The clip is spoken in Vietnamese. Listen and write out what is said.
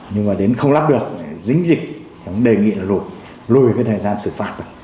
nhưng mà đến không lắp được dính dịch đề nghị là lùi lùi cái thời gian xử phạt